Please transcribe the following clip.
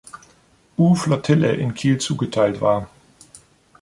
U-Flottille in Kiel zugeteilt war.